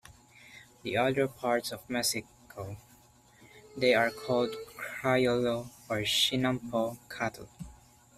In other parts of Mexico, they are called "Criollo" or "Chinampo" cattle.